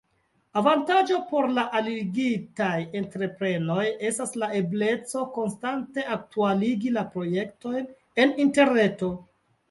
Avantaĝo por la alligitaj entreprenoj estas la ebleco konstante aktualigi la projektojn en Interreto.